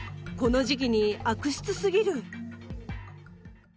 この時期に悪質すぎる。